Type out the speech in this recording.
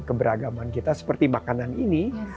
keberagaman kita seperti makanan ini